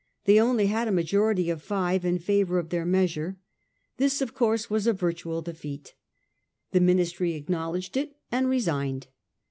They only had a majority of five in favour of their measure. This, of course, was a virtual defeat. The Ministry acknowledged it and resigned.